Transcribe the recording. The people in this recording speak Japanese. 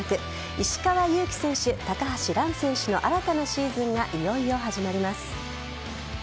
石川祐希選手、高橋藍選手の新たなシーズンがいよいよ始まります。